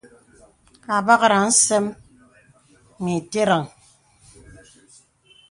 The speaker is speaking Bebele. Àbakraŋ sə̀m mə ìtəŋ.